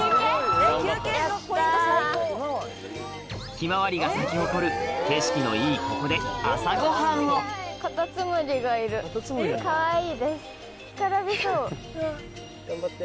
ひまわりが咲き誇る景色のいいここで朝ごはんを頑張って。